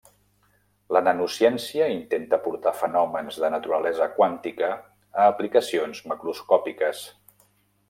La nanociència intenta portar fenòmens de naturalesa quàntica a aplicacions macroscòpiques.